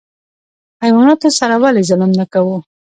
حیواناتو سره ولې ظلم نه کوو؟